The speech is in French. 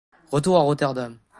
Retour à Rotterdam.